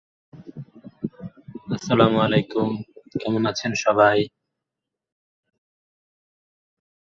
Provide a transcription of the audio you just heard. শার্ঙ্গধরের কোষকাব্যেও তাঁর প্রসঙ্গে গৌড়ের কথা আছে।